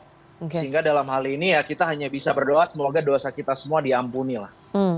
sehingga dalam hal ini ya kita hanya bisa berdoa semoga dosa kita semua diampuni lah